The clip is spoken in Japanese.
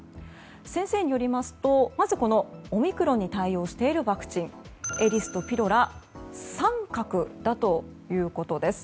先生によりますとまずオミクロンに対応しているワクチンエリスとピロラ三角だということです。